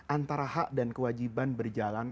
antara hak dan kewajiban berjalan